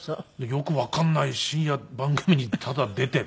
よくわかんない深夜番組にただ出てね。